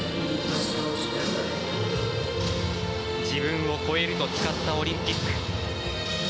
自分を超えると誓ったオリンピック。